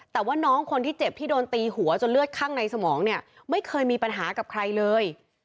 แต่ว่าน้องคนที่เจ็บที่โดนตีหัวจนเลือดข้างในสมองเนี่ยไม่เคยมีปัญหากับใครเลย